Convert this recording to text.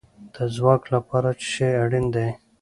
د ځواک لپاره څه شی اړین دی؟